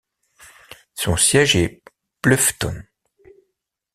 Son siège est Bluffton.